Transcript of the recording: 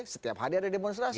setiap hari ada demonstrasi